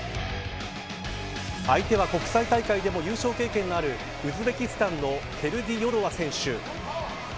相手は、国際大会でも優勝経験のあるウズベキスタンのケルディヨロワ選手。